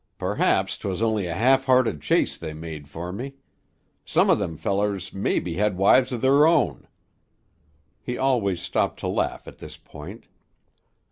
Perhaps 'twas only a half hearted chase they made fer me. Some of them fellers mebbe had wives of their own." He always stopped to laugh at this point.